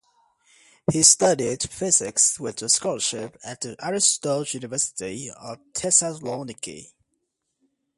He studied Physics with a scholarship at the Aristotle University of Thessaloniki.